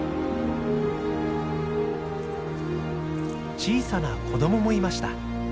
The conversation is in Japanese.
小さな子どももいました。